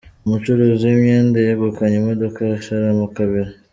Umucuruzi w’imyenda yegukanye imodoka ya Sharama kabiri